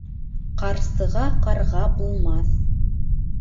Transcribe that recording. Ҡарсыға ҡарға булмаҫ.